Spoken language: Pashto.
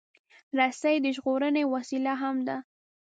رسۍ د ژغورنې وسیله هم ده.